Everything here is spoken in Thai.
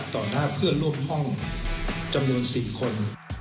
ต่อได้เพื่อนร่วมห้องจำนวน๔คน